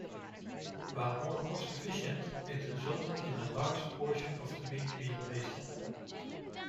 While more cost-efficient, it resulted in a large portion of the meat being wasted.